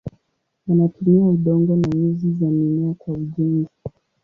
Wanatumia udongo na nyuzi za mimea kwa ujenzi.